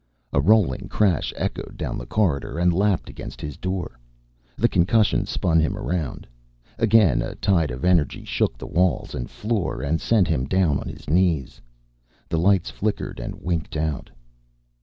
A rolling crash echoed down the corridor and lapped against his door. The concussion spun him around. Again a tide of energy shook the walls and floor and sent him down on his knees. The lights flickered and winked out.